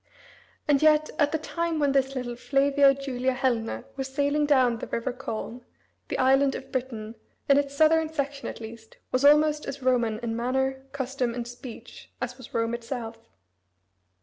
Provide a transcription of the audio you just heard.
And yet at the time when this little Flavia Julia Helena was sailing down the river Colne, the island of Britain, in its southern section at least, was almost as Roman in manner, custom, and speech as was Rome itself.